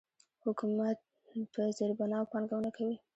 حکومت په زیربناوو پانګونه کوي.